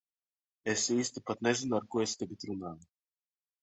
Es īsti pat nezinu, ar ko es tagad runāju...